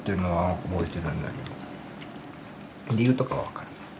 理由とか分からない。